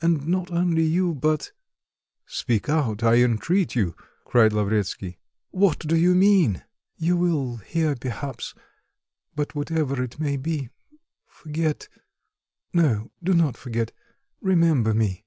And not only you, but " "Speak out, I entreat you!" cried Lavretsky, "what do you mean?" "You will hear perhaps... but whatever it may be, forget... no, do not forget; remember me."